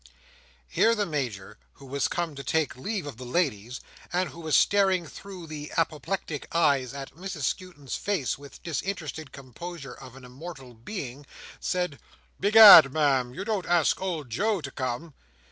Here the Major, who was come to take leave of the ladies, and who was staring through his apoplectic eyes at Mrs Skewton's face with the disinterested composure of an immortal being, said: "Begad, Ma'am, you don't ask old Joe to come!"